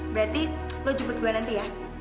berarti lo jempet gue nanti ya